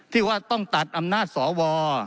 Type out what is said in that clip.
ที่ว่าต้องตัดอำนาจสว